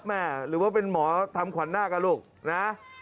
แหม่หรือว่าเป็นหมอทำขวัญหน้ากับลูกนะฮะ